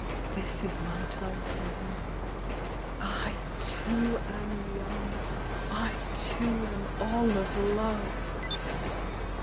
... This is my time for me. 1 too am young; I too am all of love